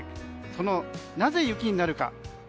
なぜ雪になるか。